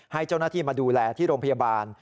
ให้เจ้าหน้าที่มาดูแลที่โรงพยาบาล